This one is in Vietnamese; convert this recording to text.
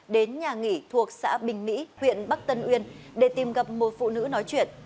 đến nhà nghỉ thuộc xã bình mỹ huyện bắc tân uyên để tìm gặp một phụ nữ nói chuyện